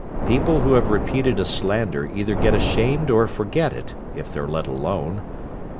People who have repeated a slander either get ashamed or forget it, if they're let alone.